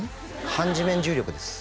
反地面重力です